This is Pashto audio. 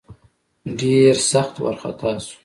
ډېر سخت وارخطا سو.